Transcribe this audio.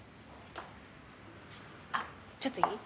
あっちょっといい？